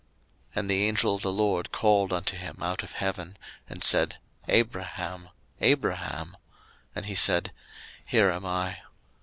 01:022:011 And the angel of the LORD called unto him out of heaven, and said, Abraham, Abraham: and he said, Here am I.